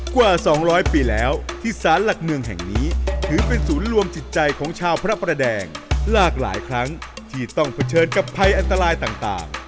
กว่า๒๐๐ปีแล้วที่สารหลักเมืองแห่งนี้ถือเป็นศูนย์รวมจิตใจของชาวพระประแดงหลากหลายครั้งที่ต้องเผชิญกับภัยอันตรายต่าง